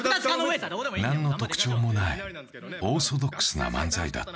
何の特徴もないオーソドックスな漫才だった。